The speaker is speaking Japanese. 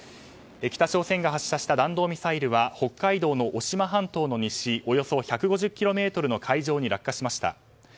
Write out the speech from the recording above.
北朝鮮が発射した弾道ミサイルは北海道の渡島半島の西およそ１５０ｋｍの海上に落下しました。